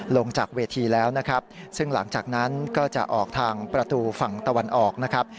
ลงจากเวทีแล้วนะครับซึ่งหลังจากนั้นก็จะออกทางประตูฝั่งตะวันออกนะครับ